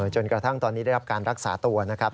จนกระทั่งตอนนี้ได้รับการรักษาตัวนะครับ